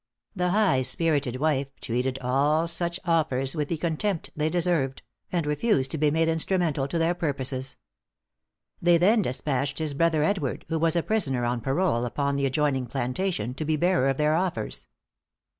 The high spirited wife treated all such offers with the contempt they deserved, and refused to be made instrumental to their purposes. They then despatched his brother Edward, who was a prisoner on parole upon the adjoining plantation, to be the bearer of their offers.